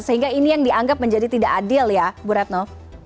sehingga ini yang dianggap menjadi tidak adil ya bu retno